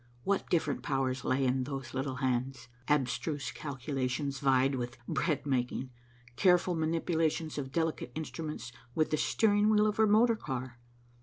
What different powers lay in those little hands. Abstruse calculations vied with bread making, careful manipulations of delicate instruments with the steering wheel of her motor car.